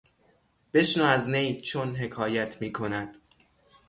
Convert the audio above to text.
بشنو از نی چون حکایت میکند...